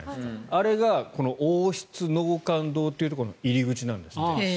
あれがこの王室納棺堂というところの入り口なんですって。